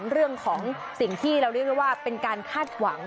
เรื่องของสิ่งที่เราเรียกได้ว่าเป็นการคาดหวัง